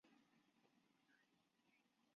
无法以佃农身分参加农保